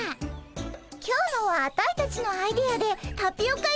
今日のはアタイたちのアイデアでタピオカ入りだよ。